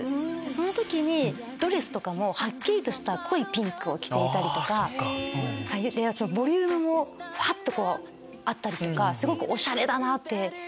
その時にドレスもはっきりした濃いピンクを着ていたりとかボリュームもあったりとかすごくおしゃれだと思って。